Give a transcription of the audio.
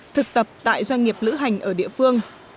thực tập tại doanh nghiệp lữ hành ở địa phương